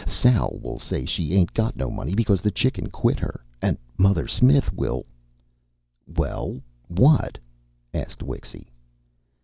Sal will say she ain't got no money because the Chicken quit her, and Mother Smith will " "Well, what?" asked Wixy.